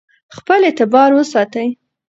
خپل اعتبار وساتئ.